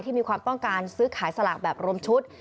มีความต้องการซื้อขายสลากแบบรวมชุด